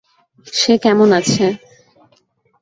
সে কেমন আছে?